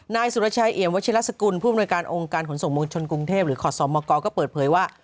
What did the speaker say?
นายสุรชัยเอี่ยมวัชิลสกุลผู้อำนวยการองค์การขนส่งมวลชนกรุงเทพหรือขอสมกก็เปิดเผยว่า